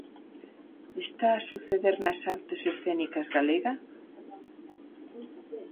Está a suceder nas artes escénicas galega?